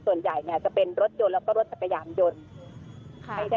ส่วนใหญ่จะเป็นรถยนต์แล้วก็รถจักรยานยนต์